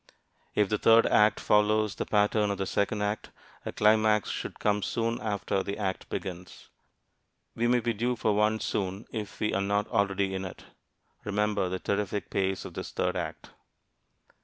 If the third act follows the pattern of the second act, a climax should come soon after the act begins. We may be due for one soon if we are not already in it. Remember the terrific pace of this third act.